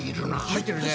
入ってるね。